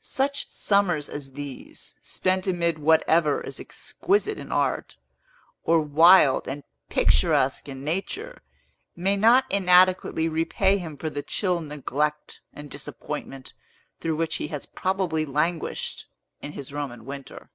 Such summers as these, spent amid whatever is exquisite in art, or wild and picturesque in nature, may not inadequately repay him for the chill neglect and disappointment through which he has probably languished, in his Roman winter.